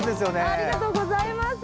ありがとうございます。